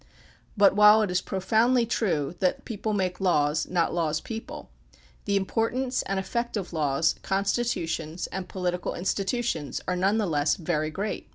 But while it is profoundly true that people make laws, not laws people, the importance and effect of laws, con stitutions, and political institutions are none the less very great.